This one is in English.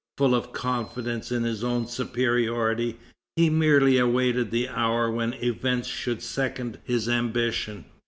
Full of confidence in his own superiority, he merely awaited the hour when events should second his ambition.